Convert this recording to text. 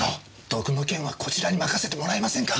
毒の件はこちらに任せてもらえませんか！？